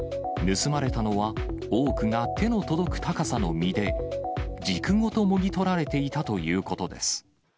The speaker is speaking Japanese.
盗まれたのは、多くが手の届く高さの実で、軸ごともぎ取られていたということです。